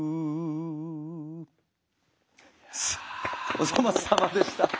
お粗末さまでした。